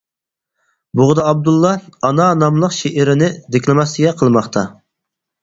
بوغدا ئابدۇللا «ئانا» ناملىق شېئىرىنى دېكلاماتسىيە قىلماقتا.